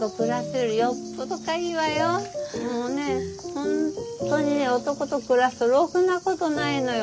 本当にね男と暮らすとろくなことないのよ。